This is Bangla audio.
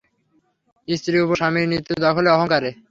স্ত্রীর উপর স্বামীর নিত্য-দখলের অহংকারে?